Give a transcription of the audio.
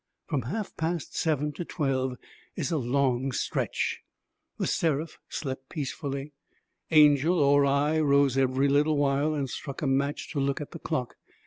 From half past seven to twelve is a long stretch. The Seraph slept peacefully. Angel or I rose every little while and struck a match to look at the clock.